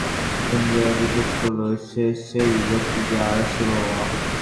সঙ্গীরা জিজ্ঞেস করল, কে সেই লোকটি ইয়া রাসূলাল্লাহ!